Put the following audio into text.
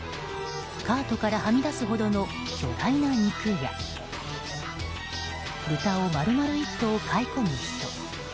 カートからはみ出すほどの巨大な肉や豚を丸々１頭買い込む人。